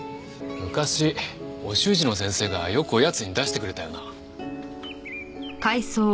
昔お習字の先生がよくおやつに出してくれたよな。